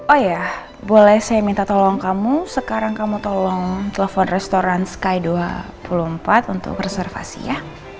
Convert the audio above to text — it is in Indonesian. oh ya boleh saya minta tolong kamu sekarang kamu tolong telepon restoran sky dua puluh empat untuk reservasi ya